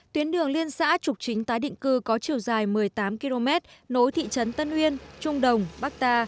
tuyến đường liên xã trục chính tái định cư có chiều dài một mươi tám km nối thị trấn tân uyên trung đồng bắc ta